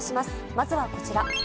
まずはこちら。